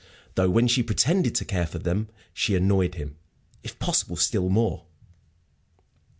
Though when she pretended to care for them she annoyed him, if possible, still more.